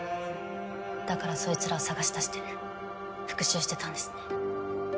だからそいつらを捜し出して復讐してたんですね。